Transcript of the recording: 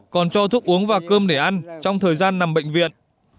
còn cho thuốc uống và cơm để ăn trong thời gian nằm bệnh viện